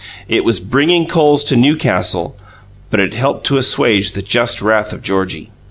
It was bringing coals to Newcastle, but it helped to assuage the just wrath of Georgie.